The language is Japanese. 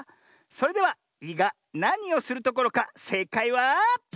それでは「い」がなにをするところかせいかいは。